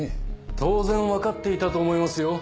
当然わかっていたと思いますよ。